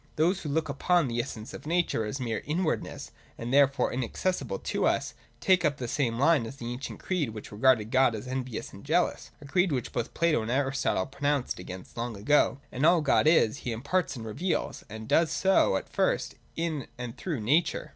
Those who look upon the essence of nature as mere inwardness, and therefore inacces sible to us, take up the same line as that ancient creed which regarded God as envious and jealous ; a creed which both Plato and Aristotle pronounced against long ago. All that God is. He imparts and reveals ; and He does so, at first, in and through nature.